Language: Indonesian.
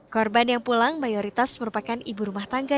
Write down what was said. korban yang pulang mayoritas merupakan ibu rumah tangga